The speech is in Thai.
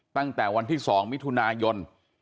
ตั้งแต่วันที่๒มิถุนายน